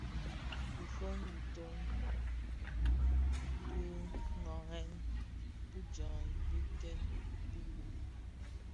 Dhi fon kitoň didhagen di jaň i biteën bi bum,